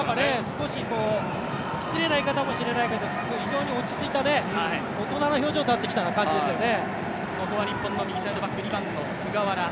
少し、失礼な言い方かもしれないけど非常に落ち着いた大人の表情になってきた感じですよね。